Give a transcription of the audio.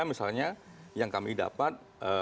misalnya yang kami dapat